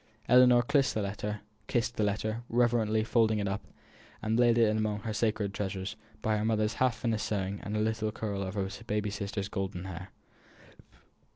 Ellinor kissed the letter, reverently folded it up, and laid it among her sacred treasures, by her mother's half finished sewing, and a little curl of her baby sister's golden hair.